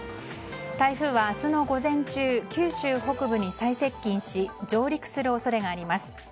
台風は明日の午前中、九州北部に最接近し上陸する恐れがあります。